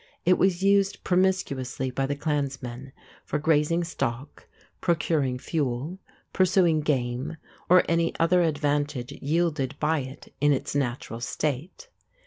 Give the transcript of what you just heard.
It was used promiscuously by the clansmen for grazing stock, procuring fuel, pursuing game, or any other advantage yielded by it in its natural state.